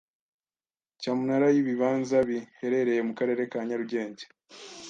Cyamunara y’ibibanza biherereye mu Karere ka Nyarugenge